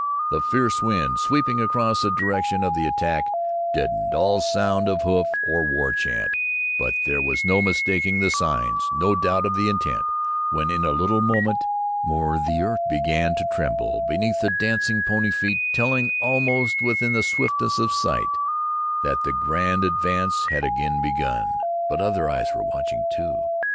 The fierce wind, sweeping across the direction of the attack, deadened all sound of hoof or war chant, but there was no mistaking the signs, no doubt of the intent, when, in a little moment more, the earth began to tremble beneath the dancing pony feet, telling, almost with the swiftness of sight, that the grand advance had again begun. But other eyes were watching too.